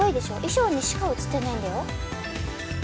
衣装にしか映ってないんだよ。